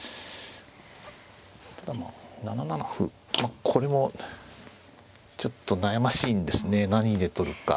ただまあ７七歩これもちょっと悩ましいんですね何で取るか。